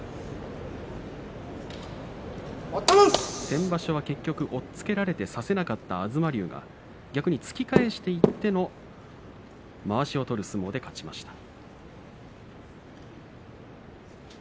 先場所は結局、押っつけられて差せなかった東龍が逆に突き返していってのまわしを取る相撲で勝ちました。